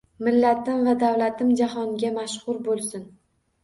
Millatim va davlatim jahonga mashhur bo’lsin